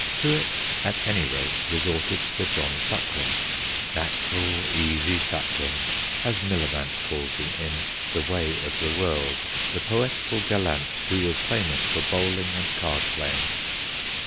To it, at any rate, resorted Sir John Suckling 'natural, easy Suckling/ as Millamant calls him in The Way of the World the poetical gallant who was famous for bowling and card playing.